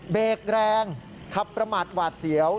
เบรกแรงขับประมาทหวาดเสียว